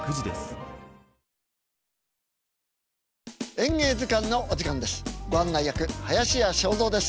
「演芸図鑑」のお時間です。